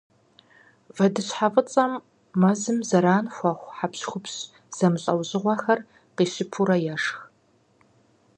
Вэдыщхьэфӏыцӏэм мэзым зэран хуэхъу хьэпщхупщ зэмылӏэужьыгъуэхэр къищыпурэ ешх.